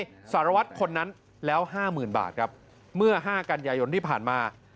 สารวัตรคนนั้นแล้วห้าหมื่นบาทครับเมื่อห้ากันยายนที่ผ่านมา